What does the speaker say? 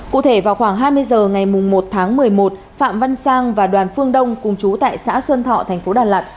cụ thể vào khoảng hai mươi h ngày một tháng một mươi một phạm văn sang và đoàn phương đông cùng chú tại xã xuân thọ thành phố đà lạt